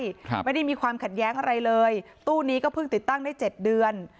ครับไม่ได้มีความขัดแย้งอะไรเลยตู้นี้ก็เพิ่งติดตั้งได้เจ็ดเดือน